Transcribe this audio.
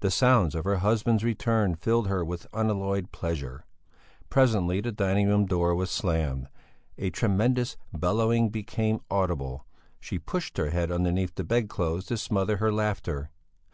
The sounds of her husband's return filled her with unalloyed pleasure. Presently the dining room door was slammed; a tremendous bellowing became audible; she pushed her head underneath the bed clothes to smother her laughter.